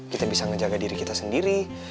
kita bisa menjaga diri kita sendiri